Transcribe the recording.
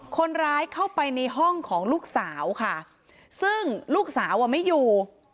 คนร้ายเข้าไปในห้องของลูกสาวค่ะซึ่งลูกสาวอ่ะไม่อยู่